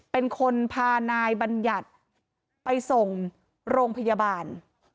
เป็นคนพานายบัญญัติไปส่งโรงพยาบาล